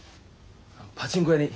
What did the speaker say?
パチンコ屋に。